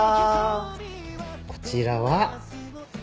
こちらは。